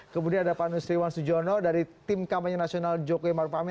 kemudian ada pak nusriwan sujono dari tim kampanye nasional jokowi maruf amin